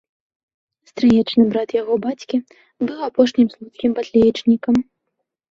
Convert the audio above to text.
Стрыечны брат яго бацькі быў апошнім слуцкім батлеечнікам.